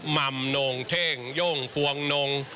ม่ำโน่งเท้งโย่งภวงโน่ง